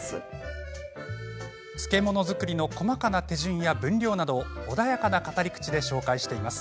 漬物作りの細かな手順や分量などを穏やかな語り口で紹介しています。